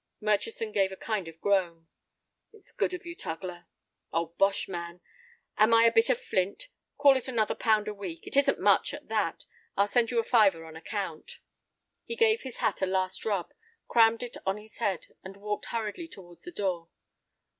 Murchison gave a kind of groan. "It's good of you, Tugler." "Oh, bosh, man! Am I a bit of flint? Call it another pound a week. It isn't much at that. I'll send you a fiver on account." He gave his hat a last rub, crammed it on his head, and walked hurriedly towards the door.